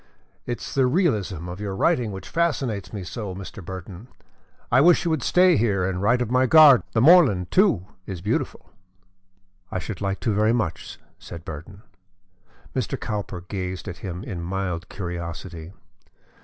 It is the realism of your writing which fascinates me so, Mr. Burton. I wish you would stay here and write of my garden; the moorland, too, is beautiful." "I should like to very much," said Burton. Mr. Cowper gazed at him in mild curiosity.